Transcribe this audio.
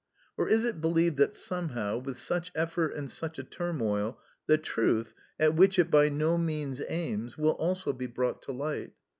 Or is it believed that somehow, with such effort and such a turmoil, the truth, at which it by no means aims, will also be brought to light?